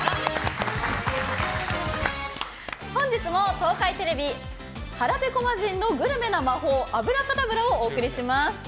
本日も東海テレビ「腹ペコ魔人のグルメな魔法脂過多ブラ」をお送りします。